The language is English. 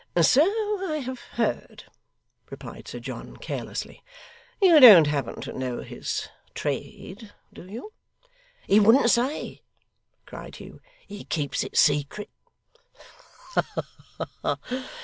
'So I have heard,' replied Sir John, carelessly. 'You don't happen to know his trade, do you?' 'He wouldn't say,' cried Hugh. 'He keeps it secret.' 'Ha ha!